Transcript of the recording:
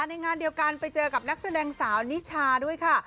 ในงานเดียวกันไปเจอกับนักแสดงสาวนิชาด้วยค่ะ